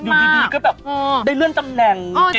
อยู่ดีก็แบบได้เลื่อนตำแหน่ง